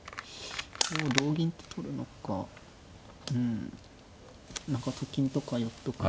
同銀って取るのか何かと金とか寄っとくのか。